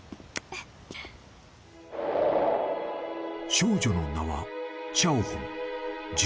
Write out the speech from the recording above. ［少女の名は］